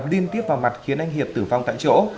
liên tiếp vào mặt khiến anh hiệp tử vong tại chỗ